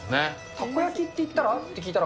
たこ焼きっていったら？って聞いたら、